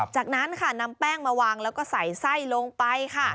จากนั้นนำแป้งมองแล้วก็ใส่ไส้ลงไป